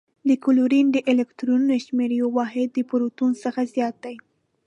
د کلورین د الکترونونو شمیر یو واحد د پروتون څخه زیات دی.